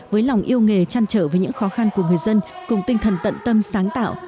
với lòng yêu nghề chăn trở với những khó khăn của người dân cùng tinh thần tận tâm sáng tạo